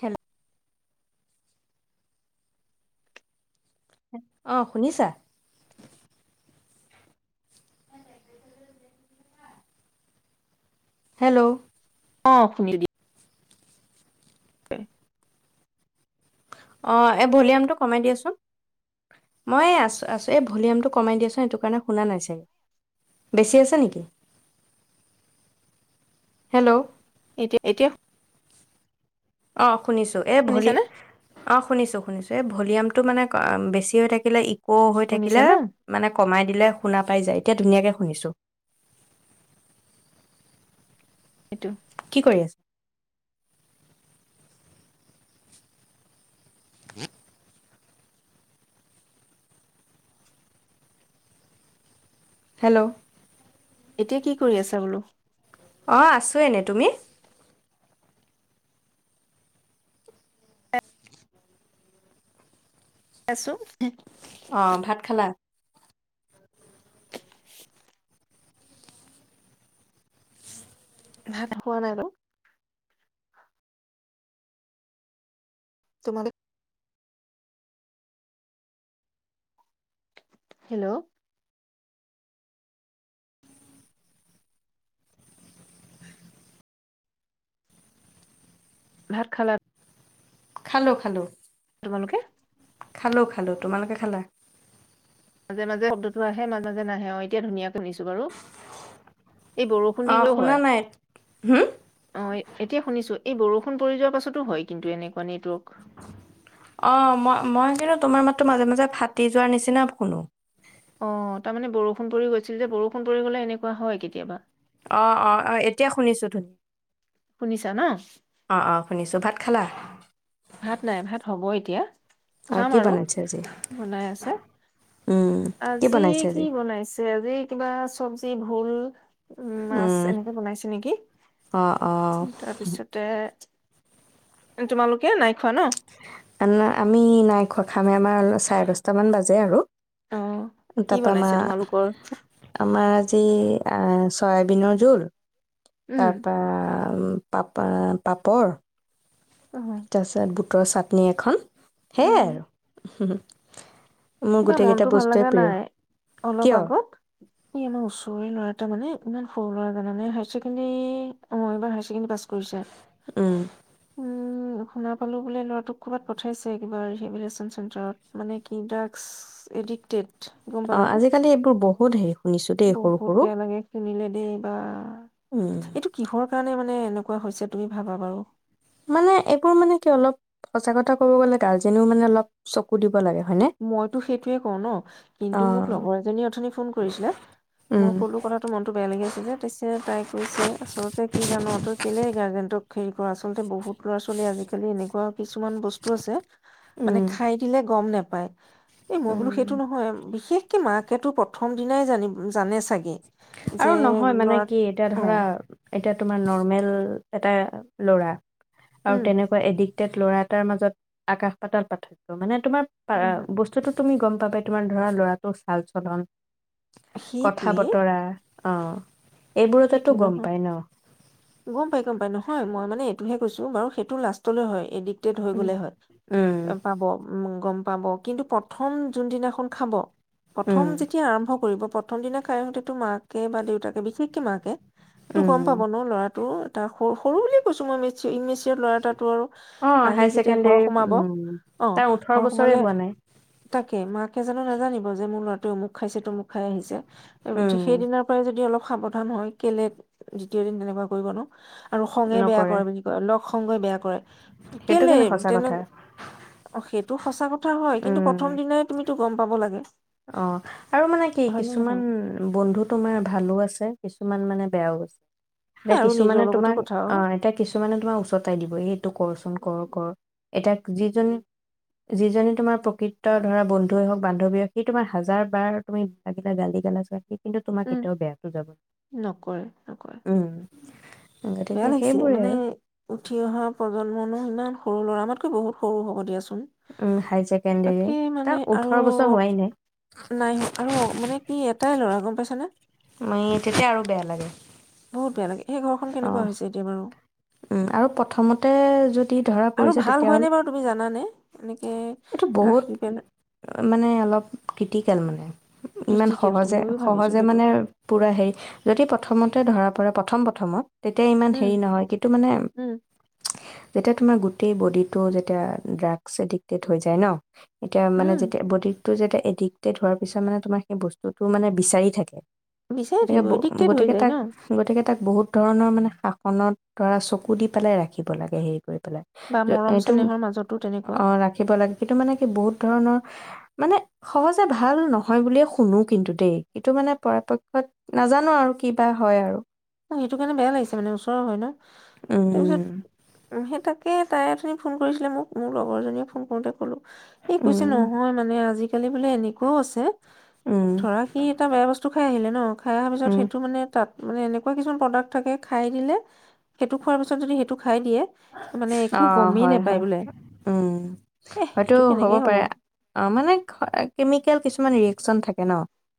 Hello. অহ শুনিছা? Hello. অ' শুনিলো দিয়া। অ' এই ভলিউমটো কমাই দিয়াচোন। মই আছোঁ আছোঁ, এই ভলিউমটো কমাই দিয়াচোন সেইটো কাৰণে শুনা নাই চাগে, বেছি আছে নেকি? হেল্ল'। এতিয়া এতিয়া অ'। শুনিছোঁ এই ভলি শুনিছানে অঁ শুনিছোঁ। শুনিছোঁ, এ ভলিউমটো মানে বেছি হৈ থাকিলে ইক হৈ শুনিছা থাকিলে ন মানে কমাই দিলে শুনা পাই যায়, এতিয়া ধুনীয়াকে শুনিছোঁ। সেইটো। কি কৰি আছা? [inaudible] হেল্ল'। এতিয়া কি কৰি আছা বোলো? অঁ আছোঁ এনে, তুমি? আছোঁ। অ' ভাত খালা? [inaudible] ভাত খোৱা নাই বাৰু তোমালোক হেল্ল'। ভাত খালা? খালোঁ খালোঁ। তোমালোকে খালোঁ খালোঁ, তোমালোকে খালা? মাজে মাজে শব্দটো আহে, মাজে মাজে নাহে, অ' এতিয়া ধুনীয়াকৈ শুনিছোঁ বাৰু। এই বৰষুণ অঁ দিলেও শুনা হয়, নাই অ' এতিয়া শুনিছোঁ। এই বৰষুণ পৰি যোৱাৰ পাছতো হয় কিন্তু এনে অ' মই-মই কিন্তু তোমাৰ মাত মাজে মাজে ফাটি যোৱাৰ নিচিনা শুনো। অ' তাৰমানে বৰষুণ পৰি গৈছিল যে, বৰষুণ পৰি গ'লে এনেকুৱা হয় কেতিয়াবা। অ' অ' অ' এতিয়া শুনিছো ধুনী শুনিছা ন অ' অ' শুনিছো, ভাত খালা? ভাত নাই ভাত হ'ব এতিয়া, অ', খাম কি আৰু বনাইছে আজি? বনাই আছে, উম, কি আজি বনাইছে কি আজি? বনাইছে আজি কিবা চব্জি ভোল উম, মাছ এনেকে বনাইছে নেকি, অ', অ', তাৰপিছতে তোমালোক এই নাই খোৱা ন। আমাৰ আমি নাই খোৱা‌ খামেহে, আমাৰ চাৰে দশটা মান বাজে আৰু অ', কি তাৰপা বনাইছে তোমালোকৰ? আমাৰ আমাৰ আজ আজি আহ ছয়াবিনৰ জোল উম, তাৰপা উম, পাপা পাপৰ অ', তাৰপিছত বুট বুটৰ চাটনি এখন। উম, সেইয়াই কিবা মনতটো ভাল লগা প্ৰিয় নাই। অলপ কিয় আগত ই আমাৰ ওচৰে ল'ৰা এটা মানে ইমান সৰু ল'ৰা জানানে, হাই চেকেণ্ডেৰী অ' এইবাৰ হাইচেকেণ্ডেৰী পাঁচ কৰিছে উম উম। উম, শুনা পালোঁ, বোলে ল'ৰাটোক ক'বাত পঠাইছে, কিবা ৰিহেবিলেশচন চেণ্টাৰত মানে কিন্টাৰ এডিকক্টেড অ আজিকালি এইবোৰ বহ [inaudible] বহুত বেয়া লাগে শুনিলে। উম [inaudible] এইটো কিহৰ কাৰণে মানে মানে এনেকুৱা হৈছে, তুমি ভাবা বাৰু মানে, একো মানে, কি অলপ সঁচা কথা ক'ব গ'লে গাৰ্জেনেও মানে অলপ চকু দিব লাগে হয়নে? মইতো সেইটোৱে কওঁ ন, কিন্তু মোক অ', লগৰ এজনী অথনি ফোন কৰিছিলে। মই উম, কলো কথাটো, মনতটো বেয়া লাগি আছে যে, তাৰ পিছত তাই কৈছে আচলতে কি জান তই কেলেই গাৰ্জেণ্টক হেৰি কৰ। আচলতে বহুত ল'ৰা ছোৱালী আজিকালি এনেকুৱা কিছুমান বস্তু আছে মানে উম, খাই দিলে গম নাপা পায়। এ মই বোলো উম, সেইটো নহয় বিশেষ কি মাকেতো প্ৰথম দিনাই জানি জানে চাগে, যে আৰু নহয় মানে ল'ৰা কি এতিয়া অ ধৰা এতিয়া তোমাৰ নৰ্মেল এটাই ল'ৰা। আৰু উম তেনেকুৱা এডিক্টেড ল'ৰা তাৰ মাজত আকাশ পাতাল পাৰ্থক্য মানে। তোমাৰ নহয় [unintelligible] বস্তুতো তুমি গ'ম বাবে তোমাৰ ধৰা, ল'ৰাটোৰ চাল চলন কথা সেইটোৱে বতৰা অ এইবোৰতেতো সেইটো গম নহয় পাই ন? গম পাই গম পাই নহয় মই মানে সটোহে কৈছো বাৰু সেইটো লাষ্টলৈ হয় এদ হৈ উম, গলে হয় উম, এ পাব উ গম পাব কিন্তু প্ৰথম যোনদিনাখন খাব প্ৰথম উম, যেতিয়া আৰম্ভ কৰিব প্ৰথম দিনা খাই আহোতেতো মাকে বা দেউতাকে বিশেষকে মাক [unintelligible] কে তো গম উম। পাব ন ল'ৰাটো তাক সৰু সৰু বুলিয়ে কৈছো মই [unintelligible] মিছ ল'ৰা এটো আৰু অ', আহি হাই যেতিয়া ঘৰ ছেকেণ্ডৰী সোমাব উম, অ তাৰ ওঠৰ ঘৰ বছৰে সোমালে হোৱা নাই। তাক তাকে মাকে জানো নাজানিব যে মোৰ ল'ৰাটোৱে আমোক খাইছে তো মোক খাই আহিছে িক উম, সেই দিনাৰ পৰাই যদি অলপ সাৱধান হয়। কেলে দ্বিতীয় দিন তেনেকুৱা কৰিব ন। আৰু খঙে বেয়া নকৰে। কৰে বুলি কয় ন? সংগই বেয়া কৰে। সেইটো কেলেই, কিন্তু সঁচা তেনে কথা। অ', সেইটো সঁচা ক কথা হয়, কিন্তু উম, প্ৰথম দিনাই তুমিতো গম পাব লাগে। অ' আৰু মানে কি হয় নে কিছুমান নহয় বন্ধু তোমাৰ ভালো আছে কিছু কিছুমান মানে বেয়াও আছে। এ এতিয়া আৰু নিজৰ কিছুমানে লগতো তোমাক, কথা অ', এতিয়া কিছুমানে তোমাক উচতাই দিব এই এইটো কৰচোন। কৰ-কৰ, এতিয়া যিজনী-যিজনী তোমাৰ প্ৰকৃত ধৰা বন্ধুৱে হওঁক, বান্ধৱীয়ে সি তোমাৰ হাজাৰ বাৰ তুমি লাগিলে গালি গালাছ সি কিন্তু তোমাক উম কেতিয়াও বেয়াকে যাব, নকৰে নকৰে উম। গতিকে বেয়া লাগিছে, সেইবোৰে মানে আৰু উঠি অহা প্ৰজন্মন ন ইমান সৰু ল'ৰা, আমাতকৈ বহুত সৰু হ'ব দিয়াছো ন, উম, হাই ছেকেণ্ডেৰী তাকে মানে তাৰ আৰু ওঠৰ বছৰ হোৱাই নাই নাই আৰু মানে কি এটাই ল'ৰাজন পাইছানে? মই, তেতিয়া আৰু বেয়া লাগে। বহুত বেয়া লাগে। সেই ঘৰখন অ'। কেনেকুৱা হৈছে এতিয়া বাৰু? উম, আৰু প্ৰথমতে যদি ধৰা আৰু পৰিছে ভাল তেতিয়া হ'লে, হয়নে বাৰু তুমি জানানে এনেকে এইটো বহুত ৰাখি পেলাই মানে, অলপ ক্ৰীটি কেল মানে। ইমান ক্ৰিটিকেলটো ময়ো ভাবিছোঁ সহজে-সহজে সেইটো মানে পুৰা হেৰি যদি প্ৰথমতে ধৰা পৰা প্ৰথম প্ৰথমত। তেতিয়া ইমান উম হেৰি নহয়, ক্ৰীট এইটো মানে। উম যেতিয়া তোমাৰ গোটেই বডিটো যেতিয়া ড্ৰাগছ এডিকটেড হৈ যায় ন। এতিয়া মানে উম যেতিয়া বডি টো যেতিয়া এডিক্টেড হোৱাৰ পিছত মানে তোমাৰ সেই বস্তুটো মানে বিচাৰি থাকে। বিচাৰি গতিকে থাকিব ব, এডিক্টেড হৈ গতিকে যায় তাক ন গতিকে তাক বহুত ধৰণৰ মানে শাসনত ধৰা চকু দি পেলাই ৰাখিব লাগে সেই কৰি বা পেলাই। মৰম এইটো চেনেহৰ মাজতো তেনেকুৱা অ', ৰাখিব লাগে সেইটো মানে কি বহুত ধৰণৰ মানে, সহজে ভাল নহয় বুলিয়ে শুনো কিন্তু দেই, এইটো মানে পৰাপক্ষত নাজানো আৰু কিবা হয় আৰু। অ, সেইটো কাৰণে বেয়া লাগিছে মানে ওচৰৰ হয় ন। তাৰপিছত, উম সেই তাক। এই তাই অথনি ফোন কৰিছিলে মোক, মোৰ লগৰজনীয়ে ফোন কৰোতে কলোঁ। এই কৈছে উম নহয় মানে আজি বোলে এনেকুৱাও আছে, উম ধৰা কি এটা বেয়া বস্তু খাই আহিলে ন খাই অহাৰ পিছত উম সেইটো মানে তাত। মানে এনেক কিছুমান প্ৰডাক্ট থাকে খাই দিলে সেইটো খোৱাৰ পিছত যদি সেইতো অ, নেপায় হয়-হয়। বোলে উম, এহ হয়তটো সেইটো হ'ব কেনেকে পাৰে। অ, মানে কেমিকেল কিছুমান হেৰি চন থাকে ন।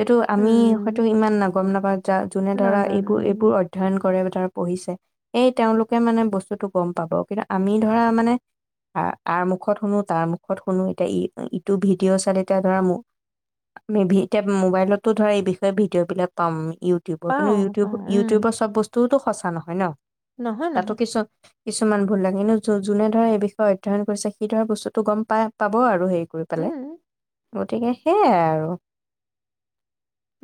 এইটো আমি হয়তো উম ইমান ন-গম নাপাওঁ যা-যোনে ধৰা নাজানো উম, এইবোৰ-এইবোৰ অধ্যয়ন কৰে ধৰ পঢ়িছে, এই তেওঁলোকে মানে বস্তুতোক। গম পাব কিন্তু আমি ধৰা মানে, আ-আৰ মুখত শুনো তাৰ মুখত শুনো এতিয়া ই-ইটো ভিডিঅ' চালে এতিয়া ধৰা মো - - ইউটিউব কিন্তু পাওঁ পাওঁ উম ইউিউব-ইউটিউব চব বস্তু তোৰতো সঁচা নহয় ন। নহয় তাতো নহয় কিছু কিছুমান ভুল লাগে কিন্তু যো-যোনে ধৰা এই বিষয়ে অধ্যয়ন কৰিছে সি ধৰা বস্তুটো গম পাই পাব আৰু হেই গৈ পেলে। উম গতিকে সেইয়াই আৰু।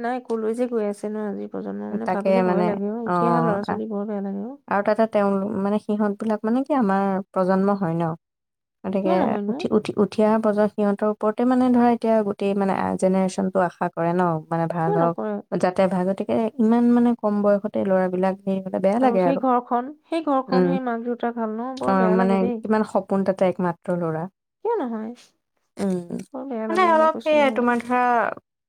নাই কলৈ যে গৈ আছে নো আজি। প্ৰজন্ম মানে তাকে ভাবিলে ভয় মানে লাগে অ উঠি অহা লৰা আ- ছোৱালী বৰ বেয়া লাগে। অ আৰু তাতে তেওঁলোক মানে সিহঁত। বিলাক মানে কি আমাৰ প্ৰজন্ম হয় ন'। গতিকে কিয় নহয়নো উঠি উঠি উঠি অহা প্ৰজন্ম। সিহঁতৰ ওপৰতে মানে ধৰা এতিয়া গোটেই মানে জেনেৰেচনটো আশা কৰে ন। মানে ভাল কিয় নকৰে হওঁক যাতে ভাল গতিকে। ইমান মানে কম বয়সতে ল'ৰাবিলাক। সেই বেয়া লাগে সেই আৰু। ঘৰখন সেই ঘৰখন উম সেই মাক দেউতাক হাল ন বৰ অঁ বেয়া মানে লাগে দেই কিমান সপোন তাতে একমাত্ৰ লৰা, কিয় নহয় উম বৰ বেয়া মানে লাগে মই অলপ কৈছো সেইয়াই নহয় তোমাৰ ধৰা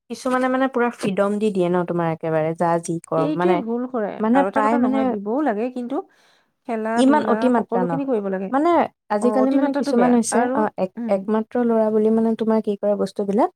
কিছুমানে। মানে পৰা ফ্ৰীডম দি দিয়ে ন তোমাৰ একেবাৰে। যা যি কৰ সেইটোৱে মানে ভুল কৰে মানে আৰু এটা প্ৰায় কথা মানে। নহয় দিবও লাগে কিন্তু খেলা ইমান ধূলা অতিমাত্ৰা সকলোখিনি নহয় কৰিব লাগে মানে অ আজিকালি মানে অতিমাত্ৰাটো কিছুমান বেয়া হৈছে আৰু অ এক উম একমাত্ৰ ল'ৰা বুলি মানে তোমাৰ কি কৰা বস্তু। [unintelligible] বিলাক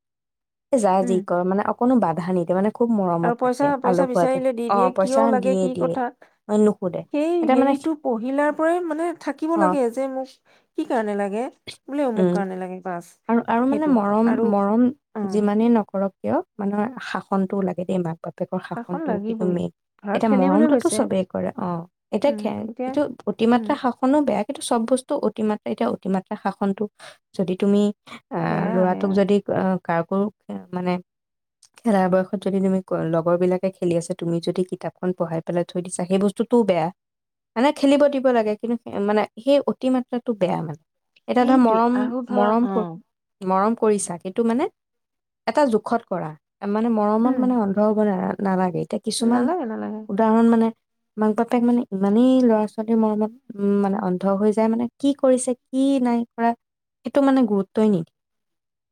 যা যি উম কৰ মানে অকণো ব [inaudible] [unintelligible] ন মানে। খুব আৰু মৰমত পইচা ৰাখে পইচা আলসুৱাকৈ বিচাৰিলে দি অ দিয়ে কিয় পইচা লাগে দিয়ে কি দিয়ে। কথা অ, নুসুধে সেই এতিয়া মানে হেৰিটো পহিলাৰ পৰাই মানে থাকিব অ লাগে যে মোক কি কাৰণে লাগে বোলে অমুক উম কাৰণে লাগে বাছ আৰু আৰু মানে সেইটো মৰম আৰু মৰম উম। যিমানেই নকৰক কিয় [unintelligible] [inaudible] বাপেকৰ শাসন শাসনটো কিন্তু লাগিবই মেইন ধৰা এতিয়া খেলিবলৈ মৰমতোটো গৈছে চবেই। অ' এতিয়া উম [inaudible] এতিয়া কিটো উম অতিমাত্ৰা শাসনো বেয়া। তাক চব বস্তু অতিমাত্ৰা এতিয়া অতিমাত্ৰা শাসনটো যদি তুমি। আহ বেয়া বেয়া ল'ৰাটোক যদি, [unintelligible] মানে খেলা বয়সত যদি তুমি লগৰ বিলাকে খেলি আছ তুমি যদি কিতাপখন পঢ়াই পেলাই থৈ দিছা। সেই বস্তুতটোও বেয়া মানে খেলিব দিব লাগে কিন্তু মানে সেই অতিমাত্ৰাটো বেয়া মানে। এতিয়া ধৰ সেইটোৱে মৰম আৰু ধৰা মৰম অ কৰ মৰম। কৰিছা কিন্তু মানে এটা জোখত কৰা। মানে মৰমত উম মানে অন্ধ হ'ব ন [inaudible] নালাগে। এতিয়া কিছুমান নালাগে নালাগে উদাহৰণ মানে। মাক বাপেক মানে ইমানেই লৰা ছোৱালীৰ মৰমত উম মানে অন্ধ হৈ যায় মানে কি কৰিছে কি নাই কৰা সেইটো মানে গুৰুত্বই নিদিয়ে।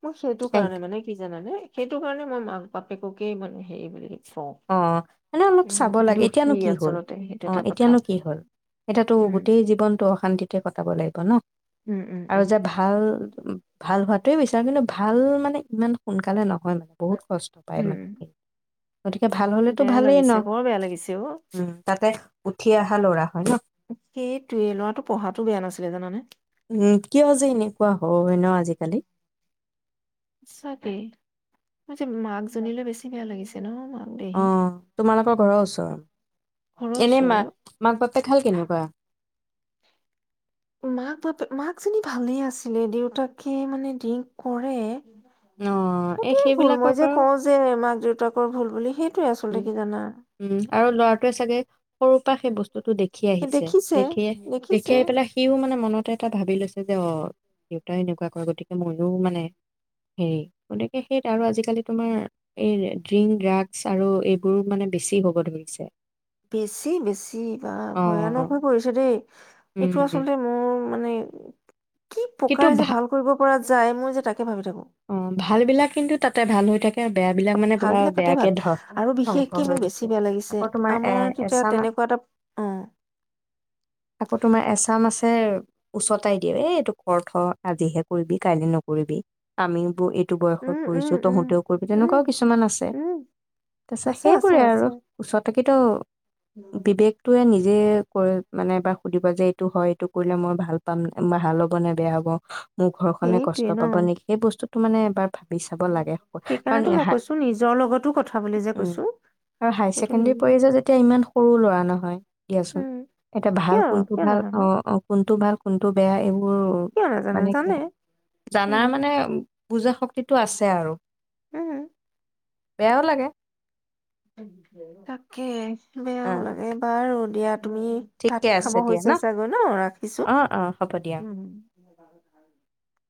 মই সেইটো কাৰণে মানে কি জানানে সেইটো কাৰণে মই মাক [inaudible] পেককে মানে হেৰি বুলি কওঁ অহ, মানে অলপ উম, চাব লাগে। দোষী এতিয়ানো কি হ'ল, আচলতে সেইটো অ এটা কথা। এতিয়ানো কি হ'ল, এটাতো উম, গোটেই জীৱনটো অশান্তিতে কটাব লাগিব ন? উম, উম, আৰু উম, যে ভাল উম, ভাল হোৱাাতোৱে বিচাৰো। কিন্তু ভাল মানে ইমান সোনকালে নহয় মানে বহুত কষ্ট পায় উম, মানে উম। সি গতিকে ভাল হলেতো বেয়া ভালেই ন? লাগিছে, বৰ বেয়া লাগিছে অ'। উম, তাকে। উঠি অহা ল'ৰা। হয় ন? সেইটুৱে, লৰাটো পঢ়হাটো বেয়া নাছিলে, জানানে? অহ, হয় ন? আজিকালি। সঁচাকে, মই যে মাক জনীলৈ বেছিকে বেয়া লাগিছে ন। মাক দেহি অহ, তোমালোকৰ ঘৰৰ ওচৰৰ? ঘৰৰ এনে ওচৰৰে অ'। মাক, মাক-বাপেক হয় কেনেকুৱা? মাক-বাপ, মাকজনী ভালেই আছিলে, দেউতাকে মানে ড্ৰিংক কৰে। অ', এই সেইটোৱে ভুল। সেইবিলাকৰ মই যে পৰাও কওঁ যে মাক-দেউতাকৰ ভুল বুলি, সেই তু উম আছলতে কি জানা উম, আৰু ল'ৰাটোৱে চাগে সৰুৰ পৰা সেই বস্তু বস্তুো দেখি সেই আহিছে। দেখিছে, দেখিয়ে, দেখি দেখিছে। আহিপেলাই সিও মানে মনতে এটা ভাবি লৈছে যে অহ, দেউতাই এনেকুৱা কৰে, গতিকে ময়ো মানে হেৰি, গতিকে সেই আৰু আজিকালি তোমাৰ এই ড্ৰিংক ড্ৰাগছ আৰু এইবোৰু মানে বেছি হ'ব ধৰিছে। বেছি, বেছি, বা ভয়ানক অ' হৈ পৰিছে দেই। এইটো উম, আচলতে মোৰ মানে কি কিন্তু প্ৰকাৰে যে ভাল কৰিব পৰা যা, যাই, মই যে তাক ভাবি থাকো। অহ, ভাল বিলাক কিন্তু তাতে ভাল হৈ থাকে। বেয়া বিলাক মানে ভাল পুৰা বিলাক তাতে বেয়াকে ভাল ধ আৰু বিশেষকে ধ্বংস হৈ মোৰ বেছি গৈছে। বেয়া লাগিছে আকৌ তোমাৰ এ আমাৰ তেতিয়া এচামা তেনেকুৱা এটা অ আকৌ তোমাৰ এচাম আছে উচতাই দিয়ে। এই এইটো কৰ থো, আজিহে কৰিবি, কাইলৈ নকৰিবি। [unintelligible] টো বয়সত উম উম কৰিছোঁ, উম তহঁতেও কৰিবি, উম তেনেকুৱাও কিছুমান আছে। উম তাৰ পিছত আছে আছে সেইবোৰে আৰু আছে ওচৰতো থাকিতো বিবেকটোৱে নিজে কৰে। মানে এবাৰ সুধিবা যে এইটো হয়, এইটো কৰিলে মই ভাল পাম ম ভাল হ'ব নে বেয়া হ'ব। মোৰ ঘৰখনে কষ্ট সেইটোৱে ন পাব নেকি? বস্তুতটো মানে এবা ভাবি চাব লাগে, কাৰণ সেইকাৰণেতো এ মই হা কৈছো নিজৰ লগতো কথা বুলি যে উম, কৈছো আৰু হায় সেইটো নি চেকেণ্ডাৰী পঢ়ি আছে যেতিয়া ইমান সৰু ল'ৰা নহয় দিয়াচোন। উম এটা ভাল কিয় কোনটো কিয় ভাল, নহয়নো অহ, অহ, কোনটো ভাল কোনটো বেয়া এইবো বোৰ কিয় নাজানে মানে কি, জানে জানা উম মানে বুজাশক্তিটো আছে আৰু। উম। বেয়াও লাগে। [inaudible] তাকে। বেয়াও অ', লাগে বাৰু ইয়াত। তুমি ভাত ঠিকে খাব আছে দিয়া হৈছে চাগৈ ন? ৰাখিছো। অ', অ', হ'ব দিয়া। [inaudible]